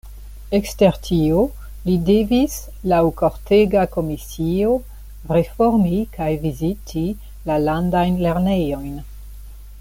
Ekster tio li devis laŭ kortega komisio reformi kaj viziti la landajn lernejojn.